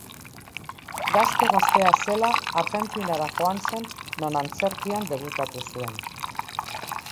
Gazte-gaztea zela Argentinara joan zen non antzerkian debutatu zuen.